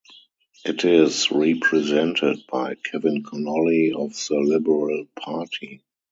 It is represented by Kevin Conolly of the Liberal Party.